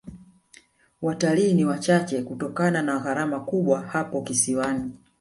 watalii ni wachache kutokana na gharama kubwa hapo kisiwani